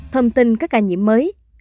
thông tin các ca nhiễm mới